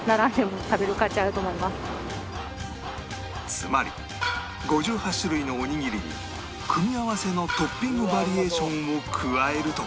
つまり５８種類のおにぎりに組み合わせのトッピングバリエーションを加えると